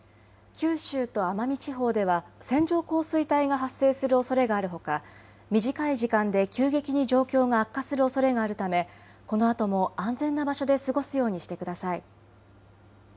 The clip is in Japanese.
九州と奄美地方では線状降水帯が発生するおそれがあるほか、短い時間で急激に状況が悪化するおそれがあるためこのあとも安全な場所で過ごすようにしてください。